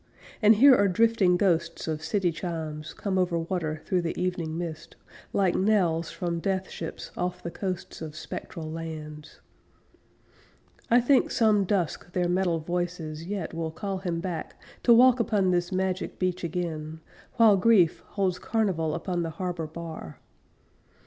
And here are drifting ghosts of city chimes Come over water through the evening mist, Like knells from death ships off the coasts of spectral lands. I think some dusk their metal voices Yet will call him back To walk upon this magic beach again, While Grief holds carnival upon the harbor bar.